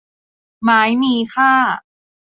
ไม้มีค่า